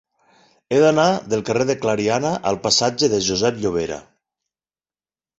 He d'anar del carrer de Clariana al passatge de Josep Llovera.